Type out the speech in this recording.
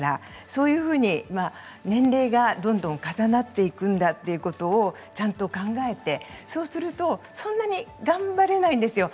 そういうふうに年齢がどんどん重なっていくんだということをちゃんと考えて、そうするとそんなに頑張れないですよ。